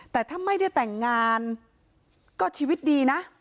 แต่ถ้าไม่ได้แต่งงานก็ชีวิตดีนะ